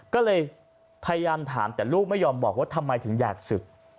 ก็เลยพยายามถามแต่ลูกไม่ยอมบอกว่าทำไมถึงอยากศึก